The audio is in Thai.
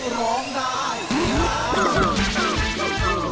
ลูกน้ำชม